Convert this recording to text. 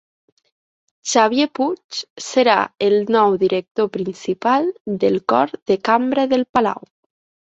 Xavier Puig serà el nou director principal del Cor de Cambra del Palau.